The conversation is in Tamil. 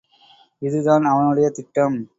இதுதான் அவனுடைய திட்டம்.